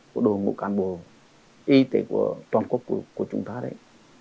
của đội ngũ cán bộ y tế của toàn quốc của chúng ta đấy